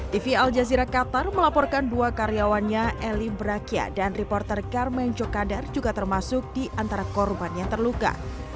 tv al jazeera qatar melaporkan dua karyawannya elim brakia dan reporter garmen jokadar juga termasuk di antara korban yang terluka